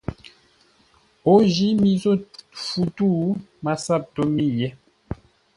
O jǐ mi zô fu tû. MASAP tó mi yé.